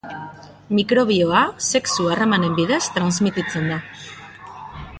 Mikrobioa sexu-harremanen bidez transmititzen da.